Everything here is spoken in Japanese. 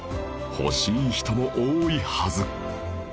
欲しい人も多いはず